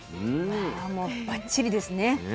ああもうばっちりですね。